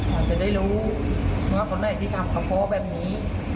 อาจจะได้รู้ว่าคนไหนที่ทำกับพ่อแบบนี้